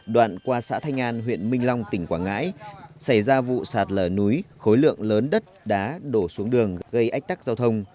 đoạn qua xã thanh an huyện minh long tỉnh quảng ngãi xảy ra vụ sạt lở núi khối lượng lớn đất đá đổ xuống đường gây ách tắc giao thông